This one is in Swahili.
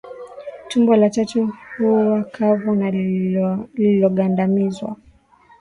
Tumbo la tatu huwa kavu na lililogandamizwa